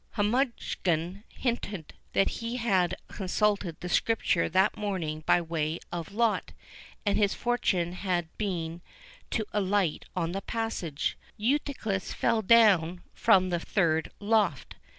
Humgudgeon hinted, that he had consulted the Scripture that morning by way of lot, and his fortune had been to alight on the passage, "Eutychus fell down from the third loft."